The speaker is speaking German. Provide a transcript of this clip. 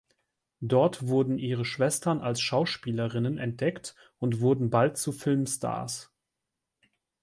Dort wurden ihre Schwestern als Schauspielerinnen entdeckt und wurden bald zu Filmstars.